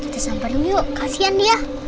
terus sampai dulu yuk kasihan dia